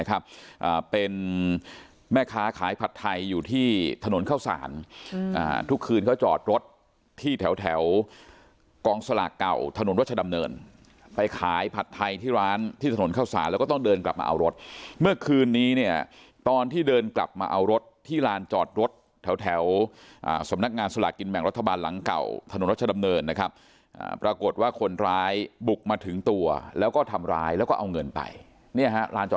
อ่าทุกคืนเขาจอดรถที่แถวกองสลากเก่าถนนรถชดำเนินไปขายผัดไทยที่ร้านที่ถนนเข้าสารแล้วก็ต้องเดินกลับมาเอารถเมื่อคืนนี้เนี่ยตอนที่เดินกลับมาเอารถที่ลานจอดรถแถวอ่าสำนักงานสลากกินแม่งรัฐบาลหลังเก่าถนนรถชดำเนินนะครับอ่าปรากฏว่าคนร้ายบุกมาถึงตัวแล้วก็ทำร้ายแล้วก็เอาเงินไปเนี่ย